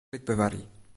Klik Bewarje.